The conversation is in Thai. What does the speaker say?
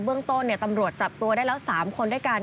เรื่องต้นตำรวจจับตัวได้แล้ว๓คนด้วยกัน